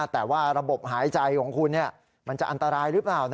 แต่ว่าระบบหายใจของคุณมันจะอันตรายหรือเปล่า